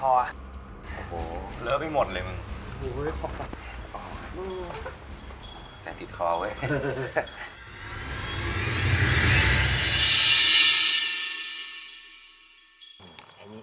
โอ้โหเลอะไปหมดเลยมึง